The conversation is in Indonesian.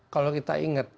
kalau kita ingat